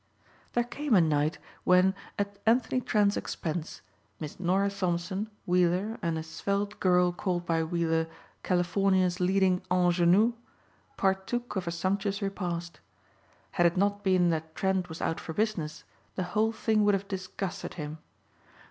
There came a night when at Anthony Trent's expense, Miss Norah Thompson, Weiller and a svelte girl called by Weiller California's leading "anjenou," partook of a sumptuous repast. Had it not been that Trent was out for business the whole thing would have disgusted him.